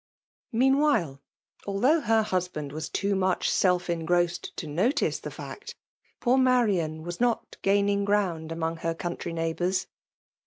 Meanwhile, although her husband was too much self engrossed to notice the fact, poor Marian was not gaining ground among her country neighbours.